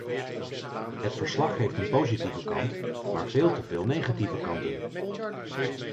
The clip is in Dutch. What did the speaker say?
Het verslag heeft een positieve kant, maar veel te veel negatieve kanten.